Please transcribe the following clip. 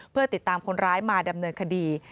เพื่อติดตามคนร้ายมาดำเนินคดี